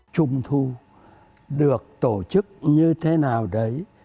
trung thu được tổ chức như thế nào đấy